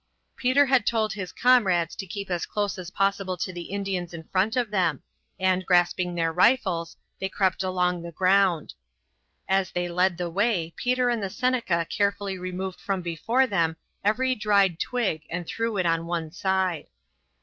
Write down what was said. Peter had told his comrades to keep as close as possible to the Indians in front of them, and, grasping their rifles, they crept along the ground. As they led the way Peter and the Seneca carefully removed from before them every dried twig and threw it on one side.